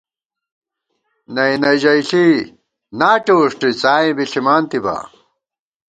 نئ نہ ژَئیݪی ناٹے وُݭٹُوئی څائیں بی ݪِمانتِبا